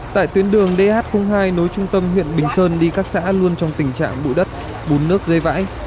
tại tuyến đường dh hai nối trung tâm huyện bình sơn đi các xã luôn trong tình trạng bụi đất bùn nước dây vãi